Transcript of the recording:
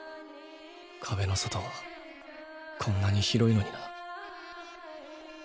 壁の外はこんなに広いのにな。